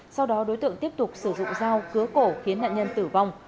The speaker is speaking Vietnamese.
sau đó đối tượng tiếp tục sử dụng dao cứa cổ khiến nạn nhân tử vong